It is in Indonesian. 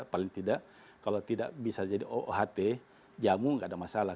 paling tidak kalau tidak bisa jadi ooht jamu nggak ada masalah